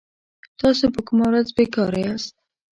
تاسو په کومه ورځ بي کاره ياست